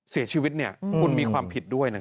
เสียชีวิตเนี่ยคุณมีความผิดด้วยนะครับ